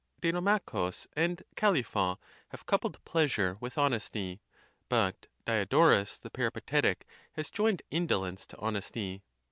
Dinomachus' and Callipho* have coupled pleasure with honesty; but Diodorus* the Peri patetic has joined indolence to honesty.